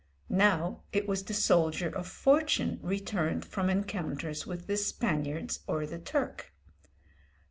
Now it was the soldier of fortune returned from encounters with the Spaniards or the Turk.